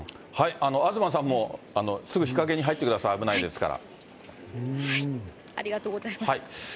東さんもすぐ日陰に入ってください、ありがとうございます。